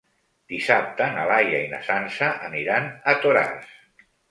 Dissabte na Laia i na Sança aniran a Toràs.